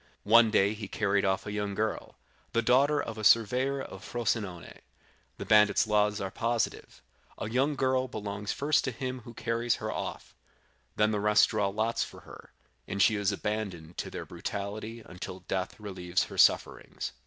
"One day he carried off a young girl, the daughter of a surveyor of Frosinone. The bandit's laws are positive; a young girl belongs first to him who carries her off, then the rest draw lots for her, and she is abandoned to their brutality until death relieves her sufferings.